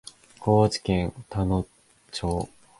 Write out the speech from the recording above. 高知県田野町